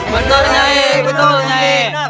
betul nyai betul nyai